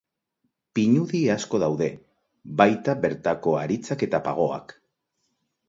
Pinudi asko daude, baita bertako haritzak eta pagoak.